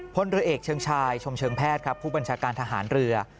พลเรือเอกเชิงชายชมเชิงแพทย์ครับผู้บัญชาการทหารเรือ